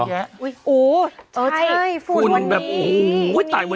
โอ๊ยใช่ฝุ่นวันนี้